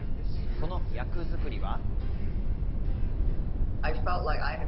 その役作りは。